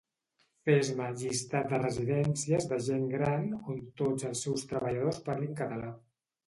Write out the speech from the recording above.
Fes-me llistat de Residències de gent gran on tots els seus treballadors parlin català